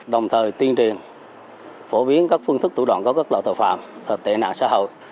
đồng thời tiên truyền phổ biến các phương thức thủ đoạn có các loại tội phạm tệ nạn xã hội